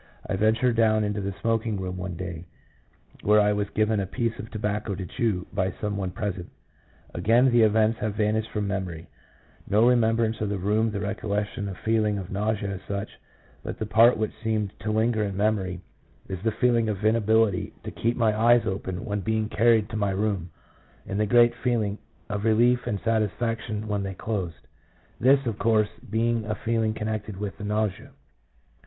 I ventured down into the smoking room one day, where I was given a piece of tobacco to chew by some one present. Again the events have vanished from memory — no remembrance of the room, no recollection of the feeling of nausea as such ; but the part which seems to linger in memory is the feeling of inability to keep my eyes open when EMOTIONS. 157 being carried to my room, and the great feeling of relief and satisfaction when they closed — this, of course, being a feeling connected with the nausea.